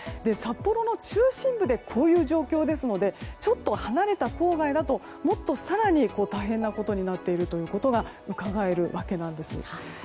札幌の中心部でこういう状況ですのでちょっと離れた郊外だともっと更に大変なことになっていることがうかがえるわけです。